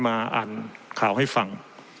อ่านข่าวให้ฟัง